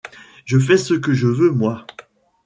Je fais ce que je veux moi !